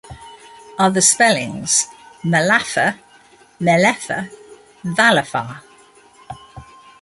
"Other spellings": Malaphar, Malephar, Valafar.